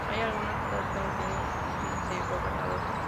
Hay algunos estados que no tienen vicegobernador.